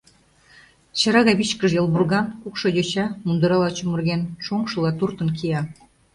Чыра гай вичкыж йолвурган, кукшо йоча, мундырала чумырген, шоҥшыла туртын кия.